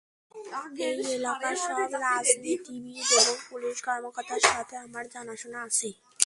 এই এলাকার সব রাজনীতিবিদ এবং পুলিশ কর্মকর্তার সাথে আমার জানাশোনা আছে।